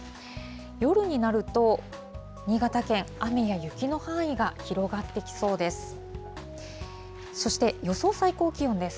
夜になると、新潟県、雨や雪の範囲が広がってきそうです。